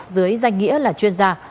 dưới danh nghĩa là chuyên gia